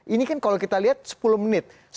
ini kan kalau kita lihat sepuluh menit